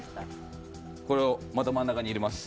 これをまた真ん中に入れます。